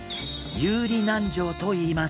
遊離軟条といいます。